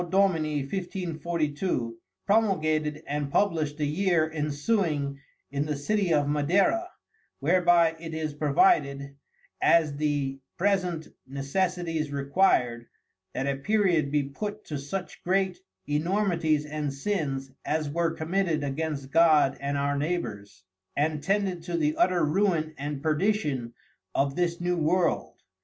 Dom._ 1542, promulgated and published the Year ensuing in the City of Madera, whereby it is provided, (as the present Necessities requir'd) that a period be put to such great Enormities and Sins, as were committed against God and our Neighbours, and tended to the utter Ruine and Perdition of this New World.